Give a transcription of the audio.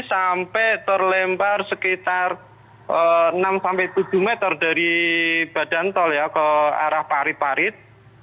sampai terlempar sekitar enam tujuh meter dari badan tol ya ke arah pari parit